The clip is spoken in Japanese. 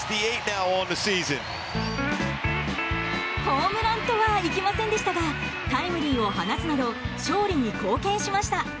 ホームランとはいきませんでしたがタイムリーを放つなど勝利に貢献しました。